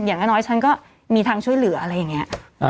อย่างน้อยฉันก็มีทางช่วยเหลืออะไรอย่างนี้